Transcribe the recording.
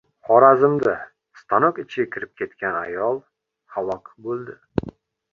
Xorazmda "stanok" ichiga kirib ketgan ayol halok bo‘ldi